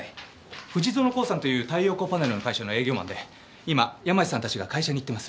富士園興産という太陽光パネルの会社の営業マンで今山路さんたちが会社に行ってます。